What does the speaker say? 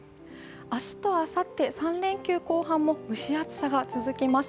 明日とあさって３連休後半も蒸し暑さが続きます。